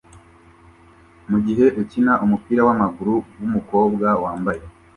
Mugihe ukina umupira wamaguru wumukobwa wambaye